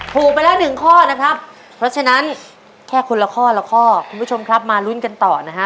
ถูกไปแล้วหนึ่งข้อนะครับเพราะฉะนั้นแค่คนละข้อละข้อคุณผู้ชมครับมาลุ้นกันต่อนะฮะ